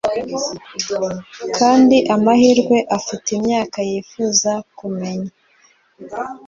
Kandi amahirwe afite imyaka yifuza kumenya